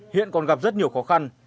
hiện còn gặp rất nhiều khó khăn